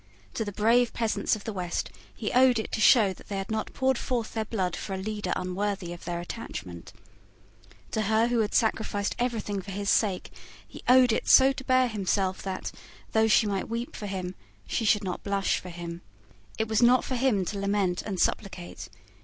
To the brave peasants of the West he owed it to show that they had not poured forth their blood for a leader unworthy of their attachment. To her who had sacrificed everything for his sake he owed it so to bear himself that, though she might weep for him, she should not blush for him. It was not for him to lament and supplicate.